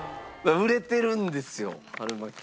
売れてるんですよ春巻き。